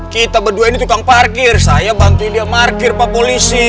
kita berdua ini tukang parkir saya bantuin dia parkir pak polisi